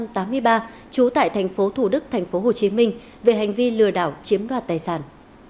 trú tại tp thủ đức tp hcm về hành vi lừa đảo chiếm đoạt tài sản